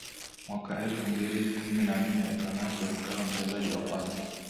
Mwaka elfu mbili kumi na nne Ronaldo akawa mchezaji wa kwanza